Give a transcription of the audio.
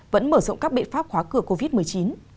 vẫn mở rộng các biện pháp khóa cửa covid một mươi chín